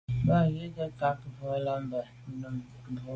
Mb’a’ ghù ju z’a ke’ bwô là Bam nà num mbwôge.